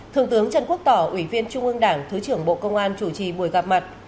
thượng tướng trần quốc tỏ ủy viên trung ương đảng thứ trưởng bộ công an chủ trì buổi gặp mặt